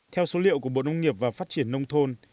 theo số liệu của bộ nông nghiệp và phát triển nông thôn